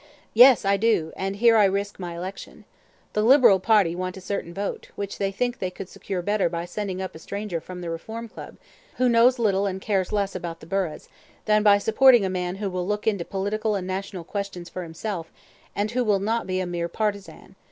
"Yes, I do; and here I risk my election. The Liberal party want a certain vote, which they think they could secure better by sending up a stranger from the Reform Club, who knows little and cares less about the burghs, than by supporting a man who will look into political and national questions for himself, and who will not be a mere partisan.